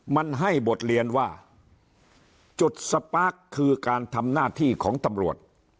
มันให้บทเรียนว่าจุดสปาร์คคือการทำหน้าที่ของตำรวจ